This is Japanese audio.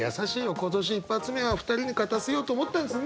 今年一発目は２人に勝たせようと思ったんですね。